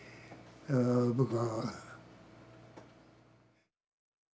僕は。